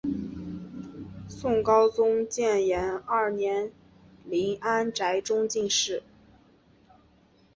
宋高宗建炎二年林安宅中进士。